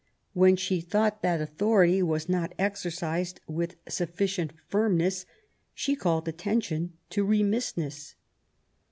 When she thought that authority was not exercised with sufficient firmness, she called attention to remissness.